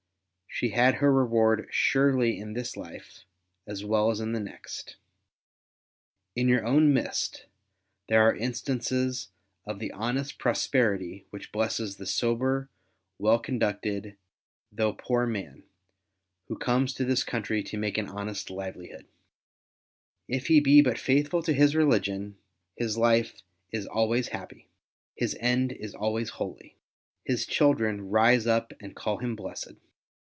She had her reward surely in this life as well as in the next. In your own midst, thgre are instances of the honest prosperity which blesses the sober, well conducted, though poor man, who comes to this country to make an honest livelihood. If he be but faithful to his religion, his life is always happy. His end is always holy. His children " rise up and call him blessed."